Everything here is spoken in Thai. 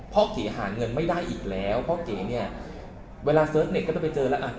เก๋หาเงินไม่ได้อีกแล้วพ่อเก๋เนี่ยเวลาเสิร์ชเน็ตก็จะไปเจอแล้วอ่ะ